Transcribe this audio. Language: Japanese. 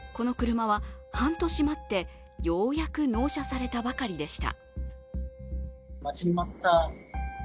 この車は半年待ってようやく納車されたばかりでした。